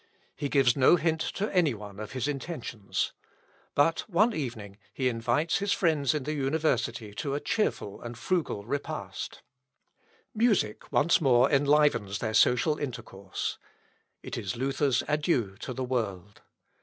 He gives no hint to any one of his intentions. But one evening he invites his friends in the university to a cheerful and frugal repast. Music once more enlivens their social intercourse. It is Luther's adieu to the world.